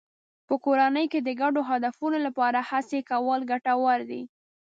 په کورنۍ کې د ګډو هدفونو لپاره هڅې کول ګټور دي.